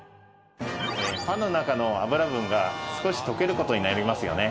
パンの中の脂分が少し溶ける事になりますよね。